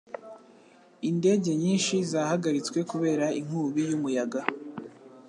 Indege nyinshi zahagaritswe kubera inkubi y'umuyaga.